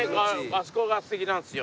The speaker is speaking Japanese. あそこが素敵なんですよ。